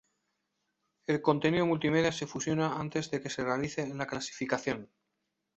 El contenido multimedia se fusiona antes de que se realice la clasificación.